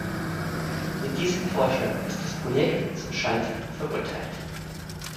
Mit diesem Vorschlag ist das Projekt zum Scheitern verurteilt.